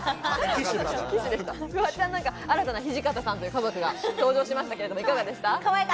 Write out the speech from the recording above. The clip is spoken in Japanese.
フワちゃん、新たな土方さんという家族が登場しましたがいかがですか？